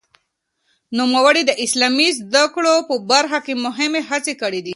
نوموړي د اسلامي زده کړو په برخه کې هم هڅې کړې دي.